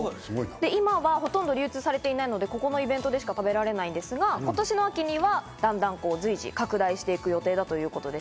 今はほとんど流通されていないので、ここのイベントでしか食べられないんですが、今年の秋には随時、拡大していく予定だということです。